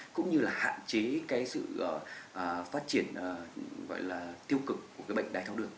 cũng như hạn chế sự phát triển tiêu cực của bệnh đai thao đường